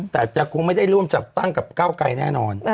แต่จะคงไม่ได้ร่วมจัดตั้งกับเก้าไกรแน่นอน